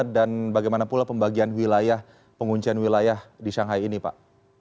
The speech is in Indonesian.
dan bagaimana pula pembagian wilayah penguncian wilayah di shanghai ini pak